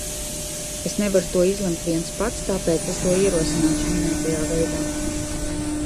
Es nevaru to izlemt viens pats, tāpēc es to ierosināšu minētajā veidā.